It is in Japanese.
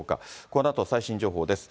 このあと最新情報です。